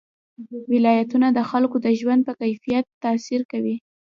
ولایتونه د خلکو د ژوند په کیفیت تاثیر کوي.